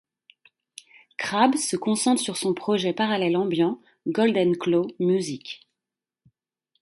Crabb se concentre sur son projet parallèle ambient, Golden Claw Musics.